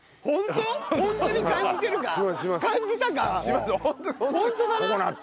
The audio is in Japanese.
ホントだな？